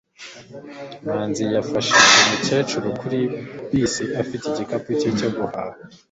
manzi yafashije umukecuru kuri bisi afite igikapu cye cyo guhaha